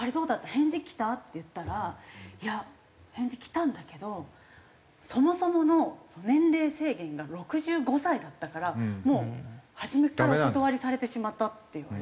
返事きた？って言ったらいや返事きたんだけどそもそもの年齢制限が６５歳だったから初めからお断りされてしまったって言われて。